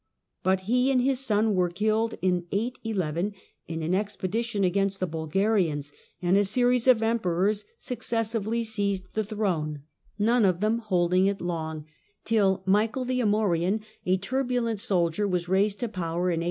But he and his son were killed in 811 in an expedition against the Bulgarians, and a series of emperors successively seized the throne, none THE ICONOCLASTIC EMPERORS 143 f them holding it long, till Michael the Amorian, a irbulent soldier, was raised to power in 820.